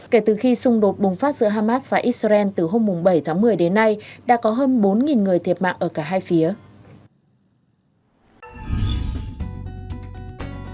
kể từ khi xung đột bùng phát giữa hamas và israel từ hôm bảy tháng một mươi đến nay đã có hơn bốn người thiệt mạng ở cả hai phía